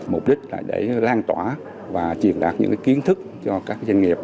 mục đích là để lan tỏa và truyền đạt những kiến thức cho các doanh nghiệp